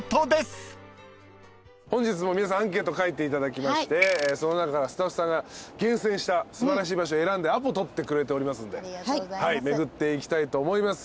本日も皆さんアンケート書いていただきましてその中からスタッフさんが厳選した素晴らしい場所選んでアポ取ってくれておりますんで巡っていきたいと思います。